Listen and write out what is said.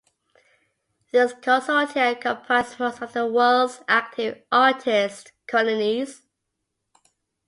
These consortia comprise most of the world's active artists' colonies.